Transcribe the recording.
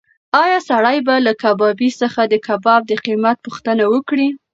ایا سړی به له کبابي څخه د کباب د قیمت پوښتنه وکړي؟